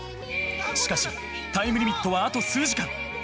しかしタイムリミットはあと数時間。